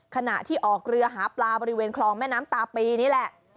ขณะที่ออกเรือหาปลาบริเวณคลองแม่น้ำตาปีนี่แหละ